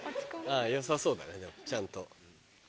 良さそうだねちゃんと。